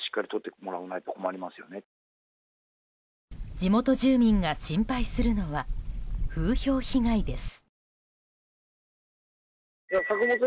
地元住民が心配するのは風評被害です。